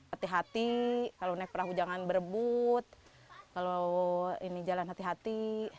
hati hati kalau naik perahu jangan berebut kalau ini jalan hati hati